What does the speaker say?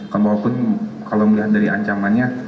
kan walaupun kalau melihat dari ancamannya